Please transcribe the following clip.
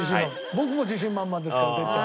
僕も自信満々ですから哲ちゃん。